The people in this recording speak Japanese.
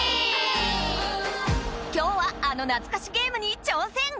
今日はあのなつかしゲームに挑戦！